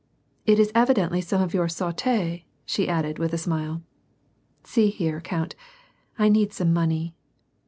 " It is evidently some of your «<7Mf6," she added, with a smile. " See here, count : I need some money."